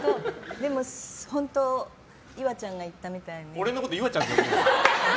でも本当岩ちゃんが言ったみたいに。